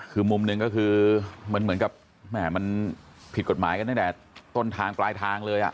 คือมุมหนึ่งก็คือมันเหมือนกับแม่มันผิดกฎหมายกันตั้งแต่ต้นทางปลายทางเลย